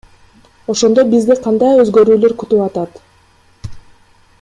Ошондо бизди кандай өзгөрүүлөр күтүп атат?